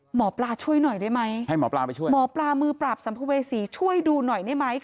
หมอปลาช่วยหน่อยได้ไหมหมอปลามือปราบสัมภาษีช่วยดูหน่อยได้ไหมให้หมอปลาไปช่วย